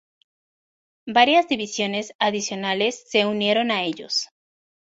Varias divisiones adicionales se unieron a ellos.